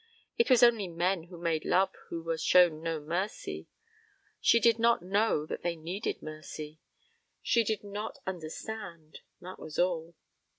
It was only men who made love who were shown no mercy. She did not know that they needed mercy. She did not understand that was all.